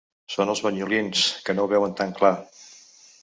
Són els banyolins, que no ho veuen tan clar.